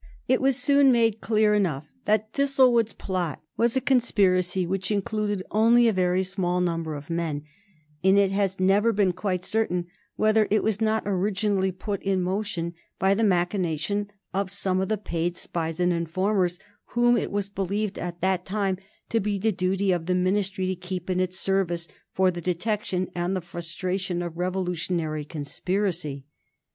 It was soon made clear enough that Thistlewood's plot was a conspiracy which included only a very small number of men, and it has never been quite certain whether it was not originally put in motion by the machination of some of the paid spies and informers whom it was believed, at that time, to be the duty of the Ministry to keep in its service for the detection and the frustration of revolutionary conspiracy.